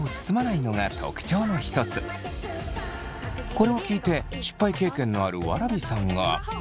これを聞いて失敗経験のあるわらびさんが。